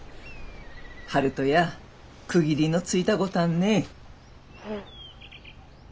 悠人や区切りのついたごたっね。